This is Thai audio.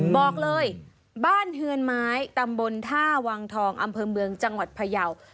บอกเลยบ้านเฮือนไม้ตำบลท่าวังทองอำเภอเมืองจังหวัดพยาว